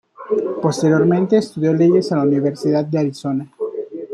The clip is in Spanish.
Posteriormente estudió leyes en la Universidad de Arizona.